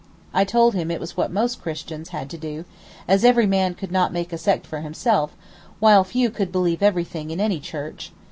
I told him it was what most Christians had to do, as every man could not make a sect for himself, while few could believe everything in any Church.